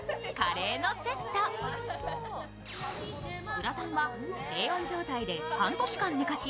グラタンは低温状態で半年間寝かし